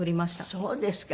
そうですか。